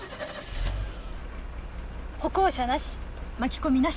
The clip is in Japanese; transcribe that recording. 歩行者なし巻き込みなし。